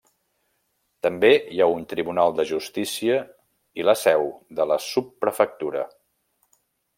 També hi ha un tribunal de justícia i la seu de la subprefectura.